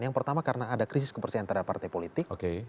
yang pertama karena ada krisis kepercayaan terhadap partai politik